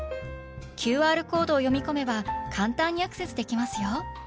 ＱＲコードを読み込めば簡単にアクセスできますよ！